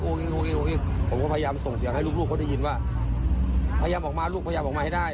ผมก็พยายามส่งเสียงให้ลูกลูกเขาได้ยินว่าพยายามออกมาลูกพยายามออกมาให้ได้